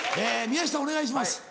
宮下お願いします。